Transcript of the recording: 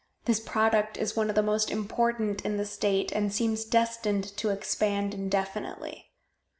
This product is one of the most important in the state, and seems destined to expand indefinitely.